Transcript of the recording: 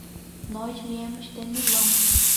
Nós viemos de Milão.